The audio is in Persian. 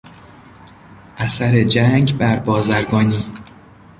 اثر جنگ بر بازرگانی